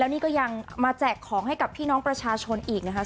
นี่ก็ยังมาแจกของให้กับพี่น้องประชาชนอีกนะคะ